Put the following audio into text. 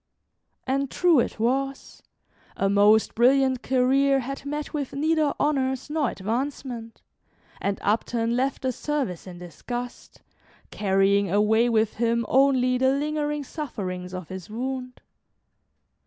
And true it was, a most brilliant career had met with neither honors nor advancement, and Upton left the service in disgust, carrying away with him only the lingering sufferings of his wound.